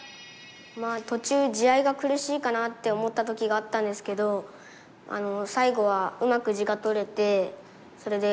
まあ途中地合いが苦しいかなって思った時があったんですけど最後はうまく地が取れてそれでうれしかったです。